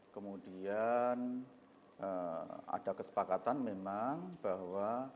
kemudian ada kesepakatan memang bahwa